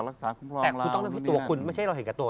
แต่คุณต้องทำให้ตัวคุณไม่ใช่เราเห็นกับตัว